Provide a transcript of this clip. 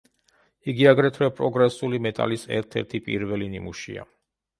იგი აგრეთვე პროგრესული მეტალის ერთ-ერთი პირველი ნიმუშია.